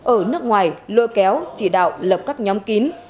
ở nước ngoài lôi kéo chỉ đạo lập các nhóm kín